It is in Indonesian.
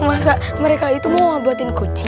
masa mereka itu mau buatin kucing